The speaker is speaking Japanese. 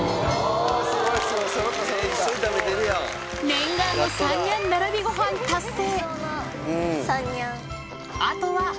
念願の３ニャン並びごはん達成。